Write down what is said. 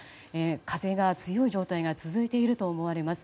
風が強い状態が続いていると思われます。